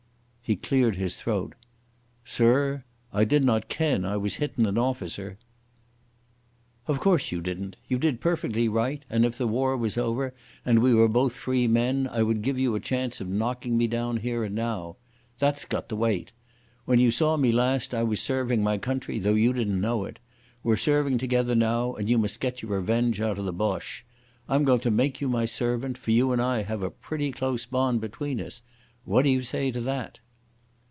He cleared his throat. "Sirr, I did not ken I was hittin' an officer." "Of course you didn't. You did perfectly right, and if the war was over and we were both free men, I would give you a chance of knocking me down here and now. That's got to wait. When you saw me last I was serving my country, though you didn't know it. We're serving together now, and you must get your revenge out of the Boche. I'm going to make you my servant, for you and I have a pretty close bond between us. What do you say to that?"